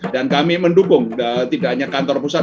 dan kami mendukung tidak hanya kantor pusat